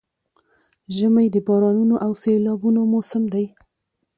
ژمی د بارانونو او سيلابونو موسم دی؛